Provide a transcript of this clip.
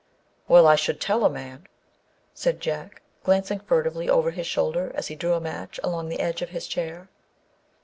" Well, I should tell a man !" said Jack, glancing furtively over his shoulder as he drew a match along the edge of his chair.